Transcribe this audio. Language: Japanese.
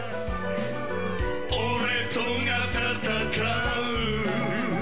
俺とが闘う